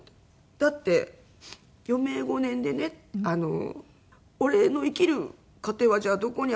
「だって余命５年でね俺の生きる糧はじゃあどこにあるの？」ってなって。